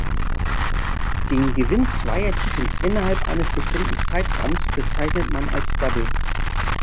Den Gewinn zweier Titel innerhalb eines bestimmten Zeitraums bezeichnet man als Double.